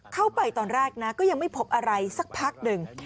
เข้าไปตอนแรกนะก็ยังไม่พบอะไรสักพักหนึ่ง